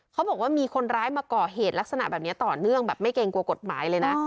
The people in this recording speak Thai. เขาบอกว่ามีคนร้ายมาก่อเหตุลักษณะแบบนี้ต่อเนื่องแบบไม่เกรงกลัวกฎหมายเลยนะ